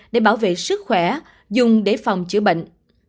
để bảo vệ sức khỏe dùng để phòng chữa bệnh